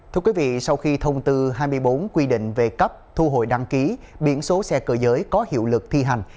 thưa quý vị sau khi thông tư hai mươi bốn quy định về cấp thu hội đăng ký biển số xe cơ giới có hiệu lực thi hành